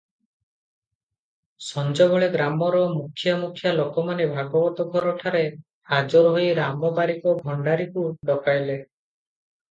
ସଞ୍ଜବେଳେ ଗ୍ରାମର ମୁଖିଆ ମୁଖିଆ ଲୋକମାନେ ଭାଗବତଘରଠାରେ ହାଜର ହୋଇ ରାମ ବାରିକ ଭଣ୍ଡାରିକୁ ଡକାଇଲେ ।